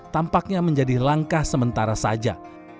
tampaknya menjadi langkah sementara saja